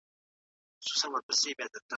ټولنه هم اصول لري.